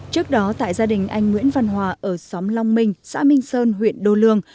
trước đó tại gia đình anh nguyễn văn hòa ở xóm long minh xã minh sơn huyện đô lương